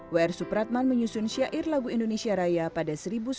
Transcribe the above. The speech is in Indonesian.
w r supratman menyusun syair lagu indonesia raya pada seribu sembilan ratus dua puluh empat